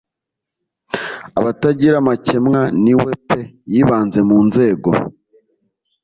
Abatagira amakemwa ni we pe yibanze mu nzego